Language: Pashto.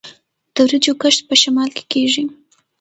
د وریجو کښت په شمال کې کیږي.